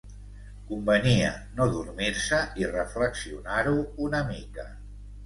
Convenia no dormir-se i reflexionar-ho una mica.